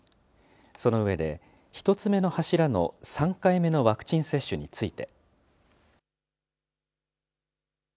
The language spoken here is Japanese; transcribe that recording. その上で、１つ目の柱の３回目のワクチン接種について。